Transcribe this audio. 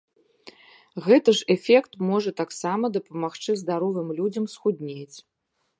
Гэты жа эфект можа таксама дапамагчы здаровым людзям схуднець.